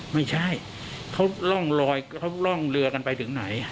ไม่ใช่เขาร่องลอยเขาร่องเรือกันไปถึงไหน